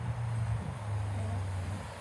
头圆吻钝。